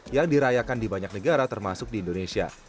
yang dirayakan di banyak negara termasuk di indonesia